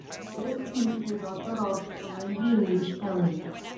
Grace is the daughter of a wealthy English family.